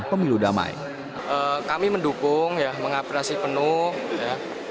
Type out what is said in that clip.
pemilu damai kami mendukung ya mengapresi penuh ya